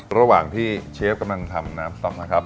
ระหว่างที่เชฟกำลังทำน้ำสต๊อกนะครับ